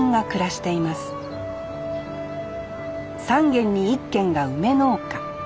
３軒に１軒が梅農家。